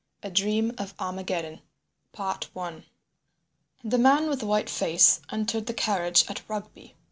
A DREAM OF ARMAGEDDON The man with the white face entered the carriage at Rugby.